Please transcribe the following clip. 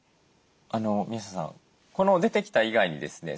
宮下さん出てきた以外にですね